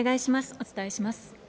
お伝えします。